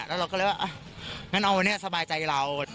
แล้วเราก็เลยว่างั้นเอาวันนี้สบายใจเรา